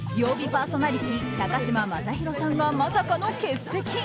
パーソナリティー高嶋政宏さんがまさかの欠席。